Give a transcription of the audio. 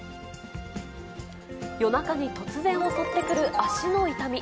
夜中に突然襲ってくる足の痛み。